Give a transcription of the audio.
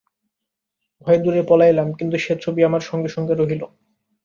ভয়ে দূরে পলাইলাম, কিন্তু সে ছবি আমার সঙ্গে সঙ্গে রহিল।